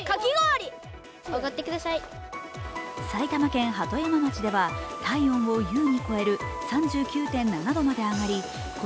埼玉県鳩山町では体温を優に超える３９．７度まで上がり子